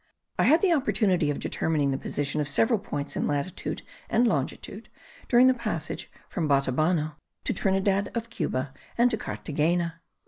I had the opportunity of determining the position of several points in latitude and longitude during the passage from Batabano to Trinidad of Cuba and to Carthagena.